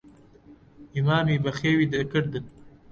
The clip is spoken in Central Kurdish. ئیمامی بەخێوی دەکردن.